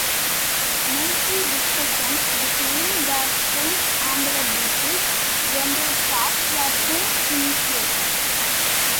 Military discussions between the French and the British general staffs were soon initiated.